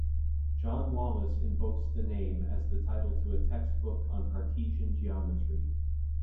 John Wallis invokes the name as the title to a textbook on Cartesian geometry.